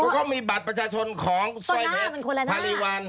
เขาก็มีบัตรประชาชนของสร้อยเพชรฮาริวัล